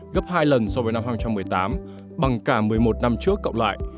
gấp hai lần so với năm hai nghìn một mươi tám bằng cả một mươi một năm trước cộng lại